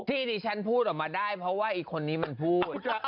ที่ดิฉันพูดออกมาได้เพราะว่าไอ้คนนี้มันพูด